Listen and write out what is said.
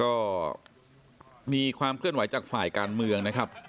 ก็มีความเคลื่อนไหวจากฝ่ายการเมืองนะครับ